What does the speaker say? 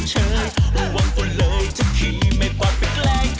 จริงรู้สึกว่ากูโดดบอกถูกปาก